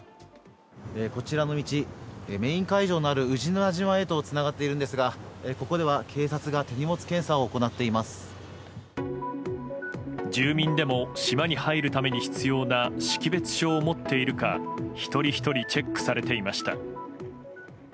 こちらの道、メイン会場になる宇品島へとつながっているんですがここでは警察が住民でも島に入るために必要な識別証を持っているか一人ひとりチェックされていました。